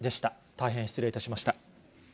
大変失礼いたしました。